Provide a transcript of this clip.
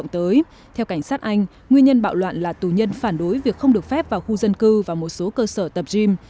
theo cảnh sát anh nguyên nhân bạo loạn là tù nhân phản đối việc không được phép vào khu dân cư và một số cơ sở tập gym